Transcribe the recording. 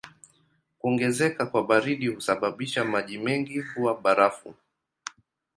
Kuongezeka kwa baridi husababisha maji mengi kuwa barafu.